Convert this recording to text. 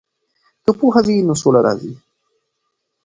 که پوهه وي نو سوله راځي.